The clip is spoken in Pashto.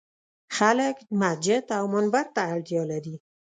خلک مسجد او منبر ته اړتیا لري.